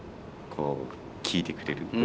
こう聞いてくれる。